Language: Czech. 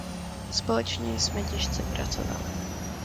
Společně jsme těžce pracovali.